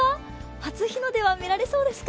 初日の出は見られそうですか？